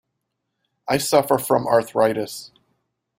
I suffer from arthritis.